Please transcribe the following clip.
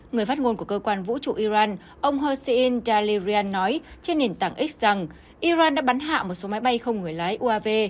người phát ngôn của cơ quan vũ trụ iran ông hasein da lirian nói trên nền tảng x rằng iran đã bắn hạ một số máy bay không người lái uav